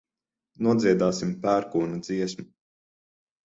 Nodziedāsim pērkona dziesmu.